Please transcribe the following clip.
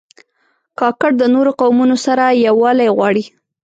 کاکړ د نورو قومونو سره یووالی غواړي.